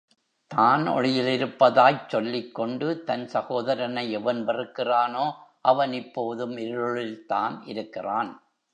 தான் ஒளியிலிருப்பதாய்ச் சொல்லிக்கொண்டு, தன் சகோதரனை எவன் வெறுக்கிறானோ, அவன் இப்போதும் இருளில் தான் இருக்கிறான்.